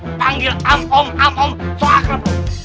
lu panggil am om am om soakrap